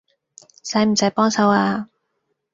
使唔使幫手呀